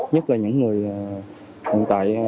nhất là những người hiện tại